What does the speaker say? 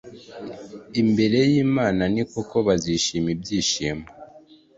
Imbere y imana ni koko bazishima ibyishimo